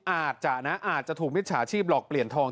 อาจจะนะอาจจะถูกมิจฉาชีพหลอกเปลี่ยนทอง